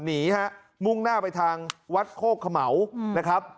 หนีฮะมุ่งหน้าไปทางวัดโคกเขม่านะครับ